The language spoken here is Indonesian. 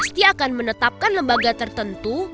pasti akan menetapkan lembaga tertentu